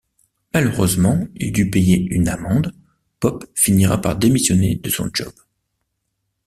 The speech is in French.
Malheureusement, il dût payer une amende, Popp finira par démissionner de son job.